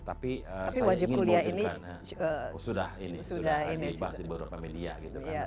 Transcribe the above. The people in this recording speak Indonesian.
tapi wajib kuliah ini sudah dibahas di beberapa media gitu kan